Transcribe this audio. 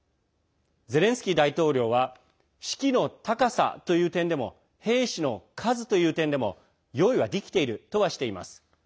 ゼレンスキー大統領は士気の高さという点でも兵士の数という点でも用意はできているとはしています。